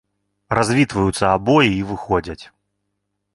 Развітваюцца абое і выходзяць.